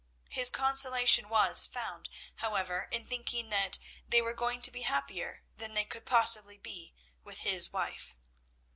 His consolation was found, however, in thinking that they were going to be happier than they could possibly be with his wife.